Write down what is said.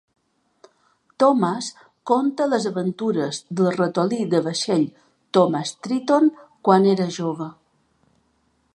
Thomas conta les aventures del ratolí de vaixell Thomas Triton quan era jove.